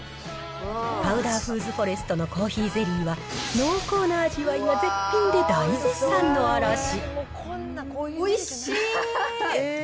パウダーフーズフォレストのコーヒーゼリーは、濃厚な味わいが絶品でおいしい！